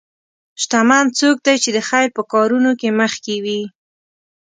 شتمن څوک دی چې د خیر په کارونو کې مخکې وي.